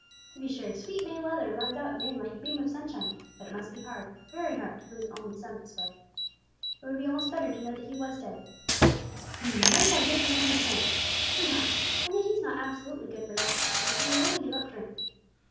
To be sure, sweet May Leather runs out and in like a beam of sunshine; but it must be hard, very hard, to lose an only son in this way. It would be almost better to know that he was dead. H'm! and there's that good for nothing Shank. The rascal! and yet he's not absolutely good for nothing if he would only give up drink.